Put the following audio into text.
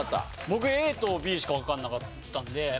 僕ＡとＢしかわかんなかったんで。